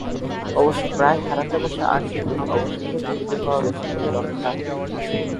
অবশ্য প্রায় হারাতে বসা আংটিটি অবশেষে খুঁজে পাওয়া গেছে বলে রক্ষা।